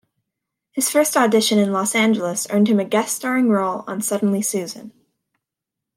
His first audition in Los Angeles earned him a guest-starring role on "Suddenly Susan".